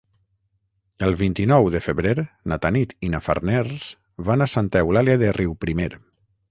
El vint-i-nou de febrer na Tanit i na Farners van a Santa Eulàlia de Riuprimer.